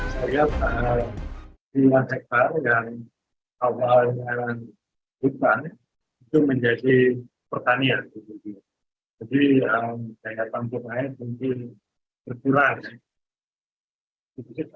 jadi daya tanpa banjir mungkin berkurang